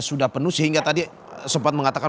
sudah penuh sehingga tadi sempat mengatakan